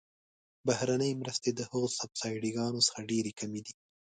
بهرنۍ مرستې د هغه سبسایډي ګانو څخه ډیرې کمې دي.